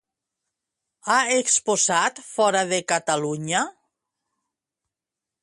Ha exposat fora de Catalunya?